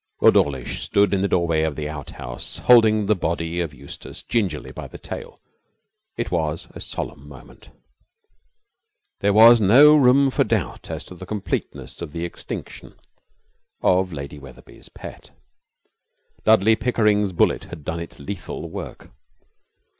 18 Lord Dawlish stood in the doorway of the outhouse, holding the body of Eustace gingerly by the tail. It was a solemn moment. There was no room for doubt as to the completeness of the extinction of Lady Wetherby's pet. Dudley Pickering's bullet had done its lethal work.